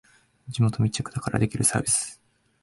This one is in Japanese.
地元密着だからできるサービス